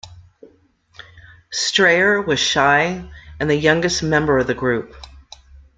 Strayer was shy, and the youngest member of the group.